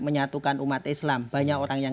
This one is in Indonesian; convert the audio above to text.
menyatukan umat islam banyak orang yang